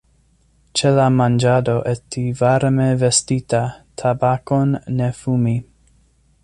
Ĉe la manĝado esti varme vestita; tabakon ne fumi.